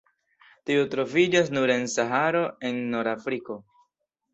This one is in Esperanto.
Tiu troviĝas nur en Saharo en Nord-Afriko.